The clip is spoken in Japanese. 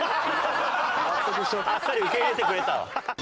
あっさり受け入れてくれたわ。